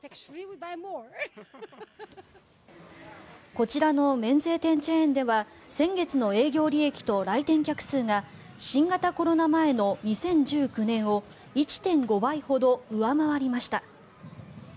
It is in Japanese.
こちらの免税店チェーンでは先月の営業利益と来店客数が新型コロナ前の２０１９年を１．５倍ほど上回りました。